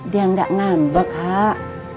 dia gak ngambek kak